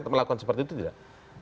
melakukan seperti itu tidak